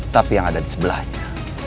tapi yang ada di sebelahnya